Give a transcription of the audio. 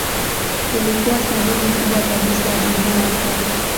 Ilikuwa sanamu kubwa kabisa ya dunia ya kale.